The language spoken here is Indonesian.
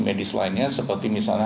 medis lainnya seperti misalnya